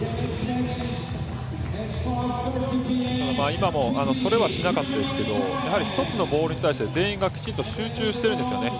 今も、取れはしなかったですけど１つのボールに対して全員がきちんと集中しているんですよね。